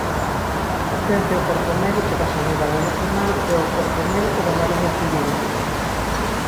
Pertence ao Corpo Médico da Sanidade Nacional e ao Corpo Médico da Mariña Civil.